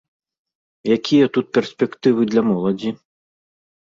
Якія тут перспектывы для моладзі?